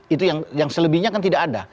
itu yang selebihnya kan tidak ada